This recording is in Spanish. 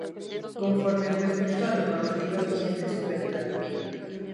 conformes respecto a la normativa vigente sobre el tratamiento